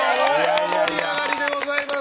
大盛り上がりでございます。